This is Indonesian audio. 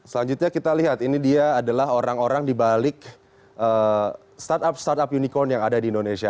selanjutnya kita lihat ini dia adalah orang orang dibalik startup startup unicorn yang ada di indonesia